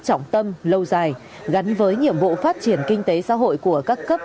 trọng tâm lâu dài gắn với nhiệm vụ phát triển kinh tế xã hội của các cấp